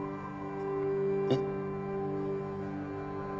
えっ？